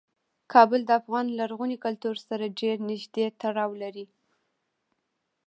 کابل د افغان لرغوني کلتور سره ډیر نږدې تړاو لري.